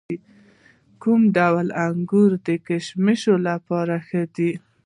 کوم ډول انګور د کشمشو لپاره ښه دي؟